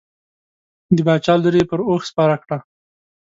د باچا لور یې پر اوښ سپره کړه.